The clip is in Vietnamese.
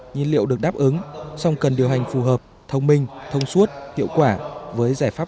nhiên liệu được đáp ứng song cần điều hành phù hợp thông minh thông suốt hiệu quả với giải pháp